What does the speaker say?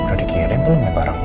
udah dikirim belum ya barangnya